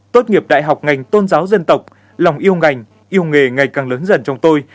tốt nghiệp đại học ngành tôn giáo dân tộc lòng yêu ngành yêu nghề ngày càng lớn dần trong tôi